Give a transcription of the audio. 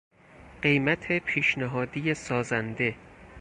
قیمت پیشنهادی سازنده